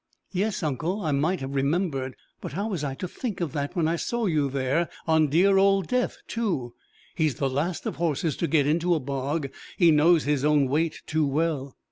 "Yes, uncle; I might have remembered! But how was I to think of that when I saw you there on dear old Death too! He's the last of horses to get into a bog: he knows his own weight too well!"